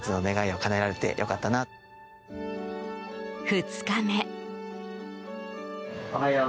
２日目。